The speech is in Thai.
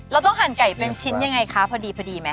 แล้วต้องหั่นไก่เป็นชิ้นยังไงคะพอดีไหม